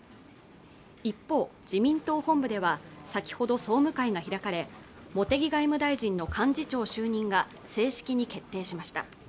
一方自民党本部では先ほど総務会が開かれ茂木外務大臣の幹事長就任が正式に決定しました